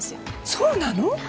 そうなの？